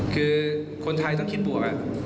คือคนไทยต้องคิดบวก